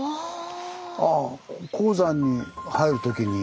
ああ鉱山に入るときに。